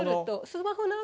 スマホの。